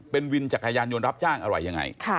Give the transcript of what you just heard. เป็นวินจักรยานยนต์รับจ้างอะไรยังไง